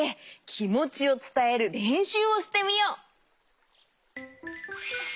きもちをつたえるれんしゅうをしてみよう。